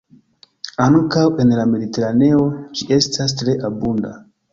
Ankaŭ en la Mediteraneo ĝi estas tre abunda.